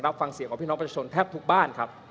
รับฟังเสียงของพี่น้องประชาชนแทบทุกบ้านครับ